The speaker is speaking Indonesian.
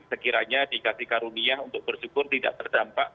sekiranya dikasih karunia untuk bersyukur tidak terdampak